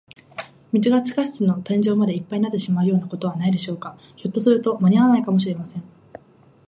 水が地下室の天井までいっぱいになってしまうようなことはないでしょうか。ひょっとすると、まにあわないかもしれません。